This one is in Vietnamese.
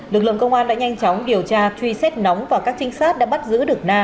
lực lượng công an đã nhanh chóng điều tra truy xét nóng và các trinh sát đã bắt giữ được na